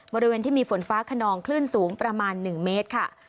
บริเวณที่มีฝนฟ้าขนองคลื่นสูงประมาณ๑เมตรค่ะ